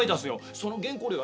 その原稿料が。